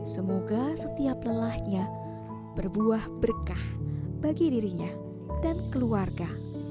semoga setiap lelahnya berbuah berkah bagi dirinya dan keluarga